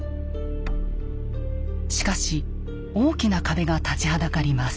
しかし大きな壁が立ちはだかります。